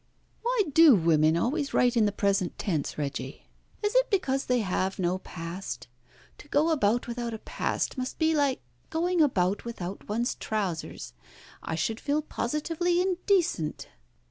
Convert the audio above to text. Why do women always write in the present tense, Reggie? Is it because they have no past? To go about without a past, must be like going about without one's trousers. I should feel positively indecent."